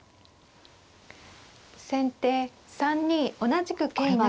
先手３二同じく桂成。